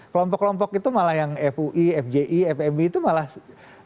kelompok kelompok itu malah yang fui fji fmi itu malah